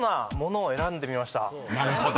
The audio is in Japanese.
［なるほど。